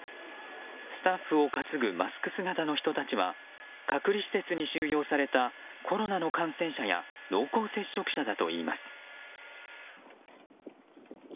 スタッフを担ぐマスク姿の人たちは隔離施設に収容されたコロナの感染者や濃厚接触者だといいます。